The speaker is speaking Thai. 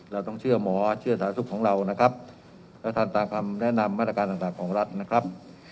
เราต้องเชื่อหมอเชื่อสาธุของเรานะครับแล้วทำตามคำแนะนำมาตรการต่างของรัฐนะครับ